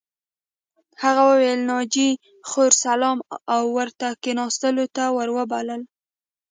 هغه وویل ناجیه خور سلام او ورته کښېناستلو ته ور وبلله